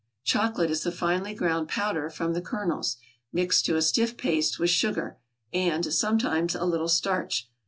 Chocolate is the finely ground powder from the kernels, mixed to a stiff paste with sugar, and, sometimes, a little starch.